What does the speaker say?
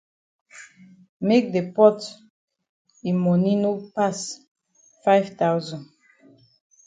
Make the pot yi moni no pass five thousand.